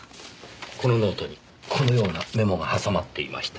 このノートにこのようなメモが挟まっていました。